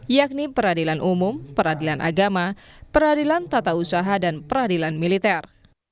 yakni peradilan umum peradilan agama peradilan tata usaha dan peradilan militer